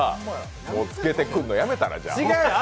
つけてくるの、やめたら？